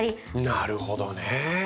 なるほどね。